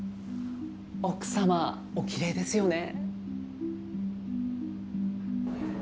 奥様おきれいですよね。